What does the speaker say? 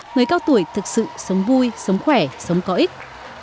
người cao tuổi thực sự sống vui sống khỏe sống có ích